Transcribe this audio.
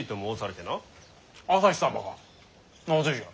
なぜじゃ。